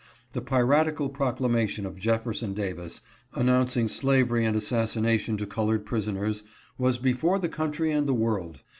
The piratical proclamation of Jefferson Davis, announcing slavery and assassination to colored prisoners, was before the country and the world.